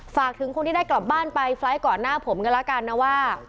ฝากถึงคนที่ได้กลับบ้านไปไฟล์ทก่อนหน้าผมกันแล้วกันนะว่า